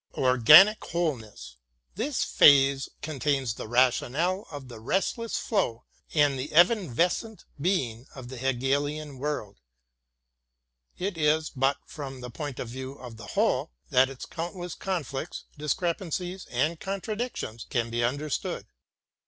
Organic Wholeness ! This phrase contains the rationale of the restless flow and the evanescent being of the Hegelian world. It is but from the point of view of the whole that its countless conflicts, discrepancies, and contradictions can be understood.